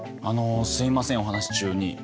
あのすみませんお話し中に。